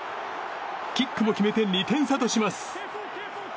キックも決めて２点差とします。